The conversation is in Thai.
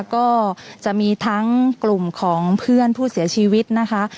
ก็จะมีทั้งกลุ่มของเพื่อนผู้เสียชีวิตนะคะ